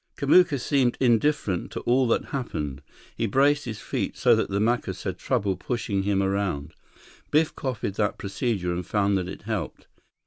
Kamuka seemed indifferent to all that happened. He braced his feet so that the Macus had trouble pushing him around. Biff copied that procedure and found that it helped.